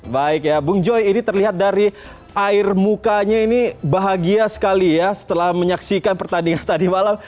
baik ya bung joy ini terlihat dari air mukanya ini bahagia sekali ya setelah menyaksikan pertandingan tadi malam